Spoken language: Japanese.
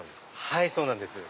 はいそうなんです。